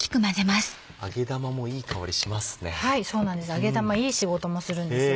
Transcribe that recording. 揚げ玉いい仕事もするんですよ。